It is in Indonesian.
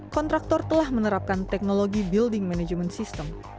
kontraktor telah menerapkan teknologi building management system